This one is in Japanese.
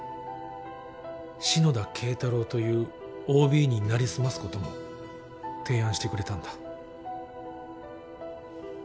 篠田敬太郎というＯＢに成り済ますことも提案してくれたんだ。